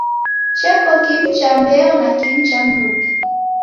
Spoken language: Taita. Cheko kimu cha mbeo na kimu cha mruke.